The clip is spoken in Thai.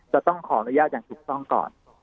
จะต้องขออนุญาตอย่างถูกต้องก่อน